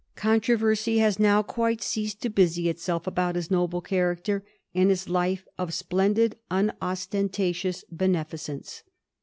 Controversy has now quite ceased to busy itself about his noble character, and his life of splendid unostentatious beneficence.